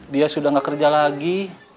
dia sudah tidak kerja lagi